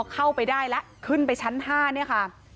เข้าไปได้แล้วขึ้นไปชั้น๕เนี่ยค่ะ